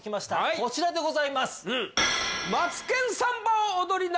こちらでございます